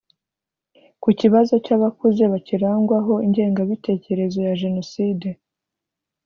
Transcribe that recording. Ku kibazo cy’abakuze bakirangwaho ingengabitekerezo ya Jenoside